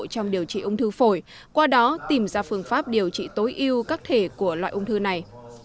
trong điều trị ung thư phổi qua đó tìm ra phương pháp điều trị tối ưu các thể của loại ung thư này